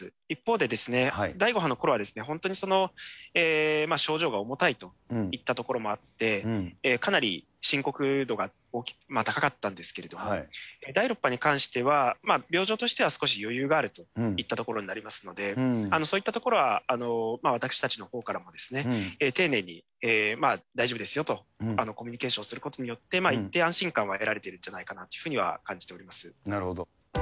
一方で、第５波のころは本当に症状が重たいといったところもあって、かなり深刻度が高かったんですけれども、第６波に関しては、病状としては少し余裕があるといったところになりますので、そういったところは私たちのほうからも丁寧に、大丈夫ですよと、コミュニケーションすることによって、一定、安心感は得られているんじゃないかなというふうには感じておりまなるほど。